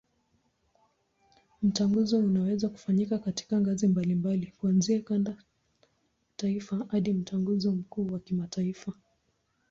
Mtaguso unaweza kufanyika katika ngazi mbalimbali, kuanzia kanda, taifa hadi Mtaguso mkuu wa kimataifa.